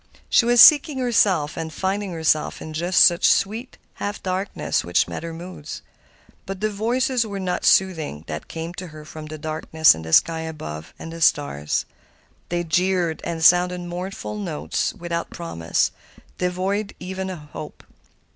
She was seeking herself and finding herself in just such sweet, half darkness which met her moods. But the voices were not soothing that came to her from the darkness and the sky above and the stars. They jeered and sounded mournful notes without promise, devoid even of hope.